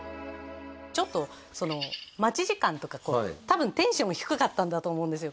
ちょっと待ち時間とかこう多分テンションが低かったんだと思うんですよ